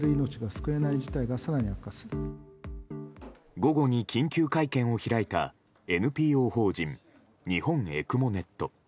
午後に緊急会見を開いたＮＰＯ法人日本ＥＣＭＯｎｅｔ。